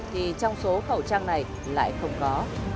thì trong số khẩu trang này lại không có